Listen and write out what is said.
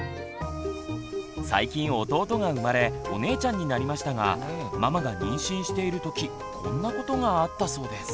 最近弟が生まれお姉ちゃんになりましたがママが妊娠しているときこんなことがあったそうです。